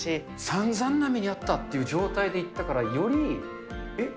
さんざんな目に遭ったという状態で行ったからより、えっ？